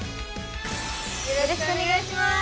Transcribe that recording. よろしくお願いします！